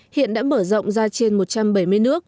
hiện đã mở rộng ra trên một trăm bảy mươi nước